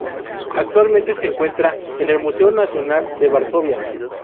Actualmente se encuentra en el Museo Nacional de Varsovia.